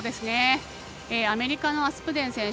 アメリカのアスプデン選手